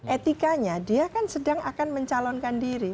etikanya dia kan sedang akan mencalonkan diri